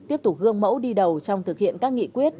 tiếp tục gương mẫu đi đầu trong thực hiện các nghị quyết